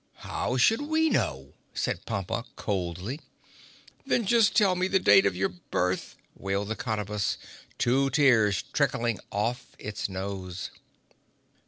"How should we know," said Pompa coldly. "Then just tell me the date of your birth," wailed the Cottabus, two tears trickling off its nose.